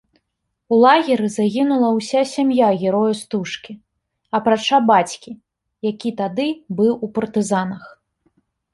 У лагеры загінула ўся сям'я героя стужкі, апрача бацькі, які тады быў у партызанах.